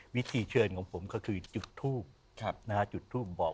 วิธีเชิญของผมก็คือจุดทูบจุดทูปบอก